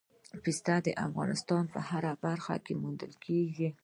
پسه د افغانستان په هره برخه کې موندل کېږي.